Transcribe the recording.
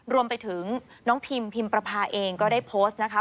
รวมไปถึงน้องพิมพิมประพาเองก็ได้โพสต์นะคะ